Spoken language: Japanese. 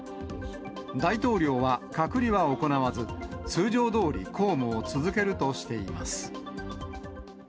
大統領は隔離は行わず、通常どおり公務を続けるとしています。